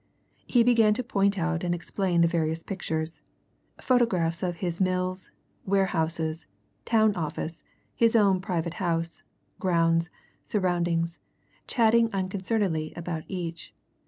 He began to point out and explain the various pictures photographs of his mills, warehouses, town office, his own private house, grounds, surroundings, chatting unconcernedly about each.